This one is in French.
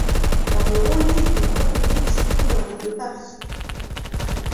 La rue Roli est une voie publique située dans le de Paris.